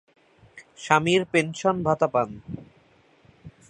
স্বামীর পেনশন ভাতা পান।